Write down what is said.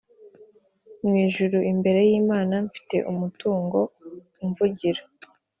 Mu ijuru imbere y’Imana mfite umuntgu umvugira